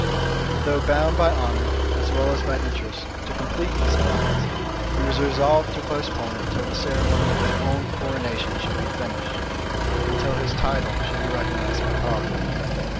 But though bound by honor, as well as by interest, to complete this alliance, he was resolved to postpone it till the ceremony of his own coronation should be finished, and till his title should be recognized by parliament.